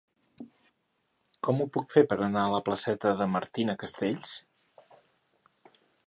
Com ho puc fer per anar a la placeta de Martina Castells?